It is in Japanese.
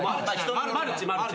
マルチマルチ。